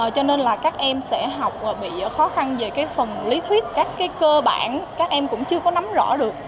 cho nên là các em sẽ học bị khó khăn về phần lý thuyết các cơ bản các em cũng chưa có nắm rõ được